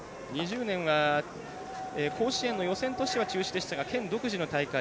２０年は甲子園の予選としては中止でしたが県独自の大会